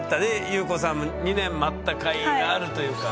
裕子さんも２年待ったかいがあるというか。